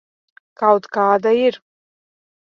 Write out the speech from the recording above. Kaut kāda ir.